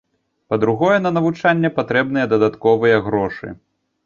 Па-другое, на навучанне патрэбныя дадатковыя грошы.